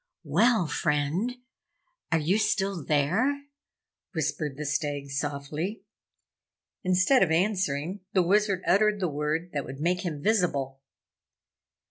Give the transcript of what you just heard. "Well, friend! Are you still there?" whispered the Stag, softly. Instead of answering, the Wizard uttered the word that would make him visible.